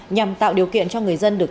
nhằm tạo điều kiện cho người dân được